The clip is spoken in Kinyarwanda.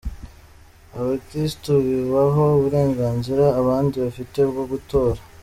Abakristo bubaha uburenganzira abandi bafite bwo gutora.